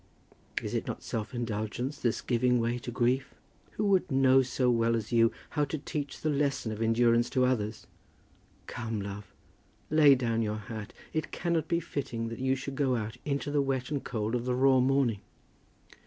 "Is it not self indulgence, this giving way to grief? Who would know so well as you how to teach the lesson of endurance to others? Come, love. Lay down your hat. It cannot be fitting that you should go out into the wet and cold of the raw morning."